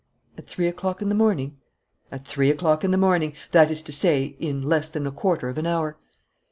"At three o'clock in the morning?" "At three o'clock in the morning that is to say, in less than a quarter of an hour."